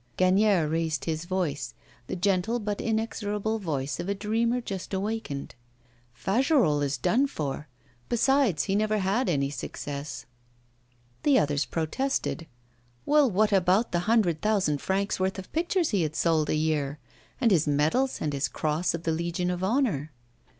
Gagnière raised his voice, the gentle but inexorable voice of a dreamer just awakened. 'Fagerolles is done for. Besides, he never had any success.' The others protested. Well, what about the hundred thousand francs' worth of pictures he had sold a year, and his medals and his cross of the Legion of Honour?